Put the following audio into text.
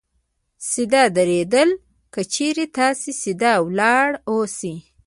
سیده درېدل : که چېرې تاسې سیده ولاړ اوسئ